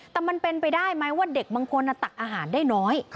แต่มันเป็นไปได้ไหมว่าเด็กบางคนตักอาหารได้น้อย